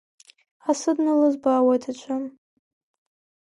Асы днылызбаауеит аӡәы.